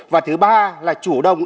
và thứ ba là chủ động